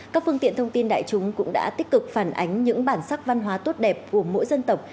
các phương tiện thông tin đại chúng cũng đã tích cực phản ánh những bản sắc văn hóa tốt đẹp của mỗi dân tộc